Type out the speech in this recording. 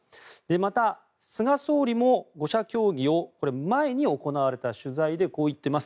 また、菅総理も５者協議を前に行われた取材でこう言っています。